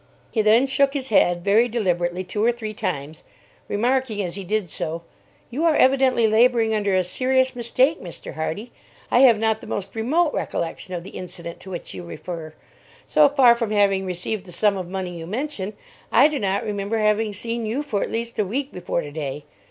He then shook his head, very deliberately, two or three times, remarking, as he did so, "You are evidently labouring under a serious mistake, Mr. Hardy. I have not the most remote recollection of the incident to which you refer. So far from having received the sum of money you mention, I do not remember having seen you for at least a week before to day.